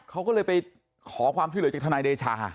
เขาก็เลยไปขอพิเศษจากท่านายเดชา